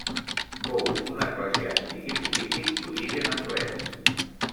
Fou un eclesiàstic i polític d'origen anglès.